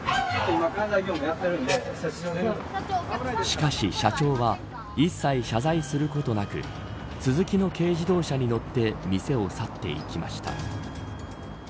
しかし社長は一切謝罪することなくスズキの軽自動車に乗って店を去っていきました。